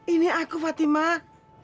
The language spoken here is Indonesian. ini aku fatimah